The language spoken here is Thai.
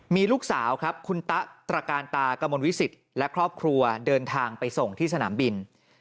มีลูกสาวครับคุณตะตระการตากระมวลวิสิตและครอบครัวเดินทางไปส่งที่สนามบิน